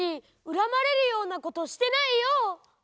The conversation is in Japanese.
恨まれるようなことしてないよ！